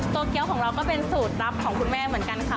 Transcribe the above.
เกี้ยวของเราก็เป็นสูตรลับของคุณแม่เหมือนกันค่ะ